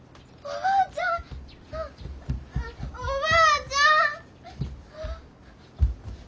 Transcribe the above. おばあちゃん！